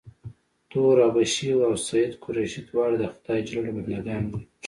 تور حبشي او سید قریشي دواړه د خدای ج بنده ګان دي.